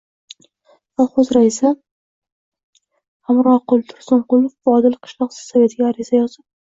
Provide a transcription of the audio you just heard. kolxoz raisi Xamroqul Tursunqulov Vodil qishloq Sovetiga xat yozib